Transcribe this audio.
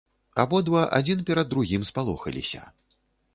Абодва адзін перад другім спалохаліся.